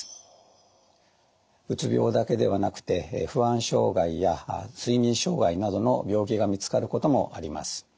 うつ病だけではなくて不安障害や睡眠障害などの病気が見つかることもあります。